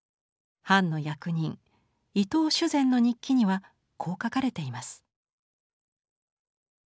藩の役人伊藤主膳の日記にはこう書かれています。